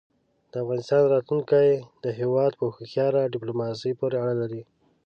د افغانستان راتلونکی د هېواد په هوښیاره دیپلوماسۍ پورې اړه لري.